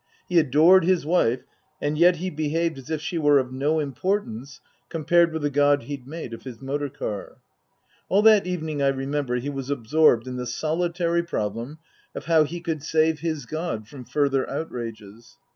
He adored his wife and yet he behaved as if she were of no importance compared with the god he'd made of his motor car. All that evening, I remember, he was absorbed in the solitary problem of how he could save his god from further outrages.